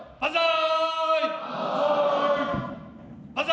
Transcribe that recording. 万歳！